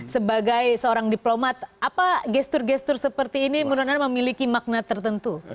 sebagai seorang diplomat apa gestur gestur seperti ini menurut anda memiliki makna tertentu